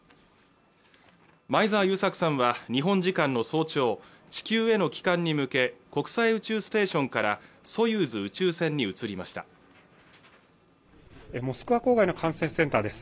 前澤友作さんは日本時間の早朝地球への帰還に向け国際宇宙ステーションからソユーズ宇宙船に移りましたモスクワ郊外の管制センターです